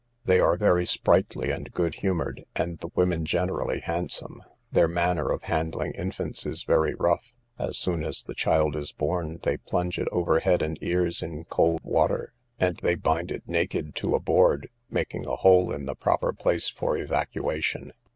They are very sprightly and good humoured, and the women generally handsome. Their manner of handling infants is very rough: as soon as the child is born, they plunge it over head and ears in cold water, and they bind it naked to a board, making a hole in the proper place for evacuation.